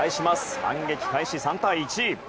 反撃開始、３対１。